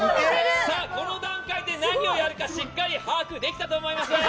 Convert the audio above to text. この段階で何をやるかしっかり把握できたと思います。